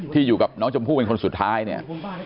อยู่กับน้องชมพู่เป็นคนสุดท้ายเนี่ย